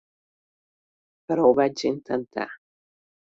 Però ho vaig intentar.